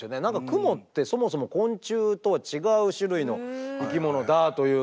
クモってそもそも昆虫とは違う種類の生き物だということ。